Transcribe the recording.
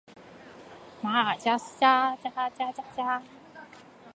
马尔热里德地区圣但尼人口变化图示